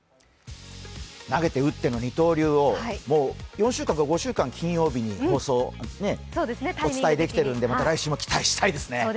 投げて打っての二刀流をもう４週間か５週間金曜日にお伝えできてるのでまた来週も期待したいですね。